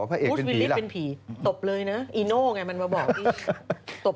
ไม่หลบไม่หลบ